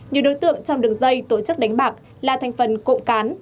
nhiều đối tượng trong đường dây tổ chức đánh bạc là thành phần cộng cán